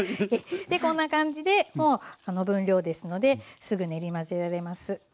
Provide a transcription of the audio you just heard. でこんな感じでもうあの分量ですのですぐ練り混ぜられます。